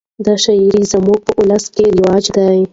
دا شاعري زموږ په اولس کښي رواج ده.